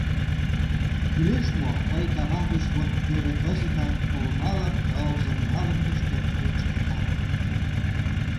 Кӱлеш мо, мый кава гыч вот теве, кызытак, олмала тылзым налын пыштем ончыкетак?